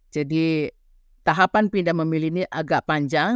jadi tahapan pindah memilih ini agak panjang